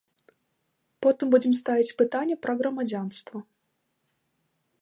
Потым будзем ставіць пытанне пра грамадзянства.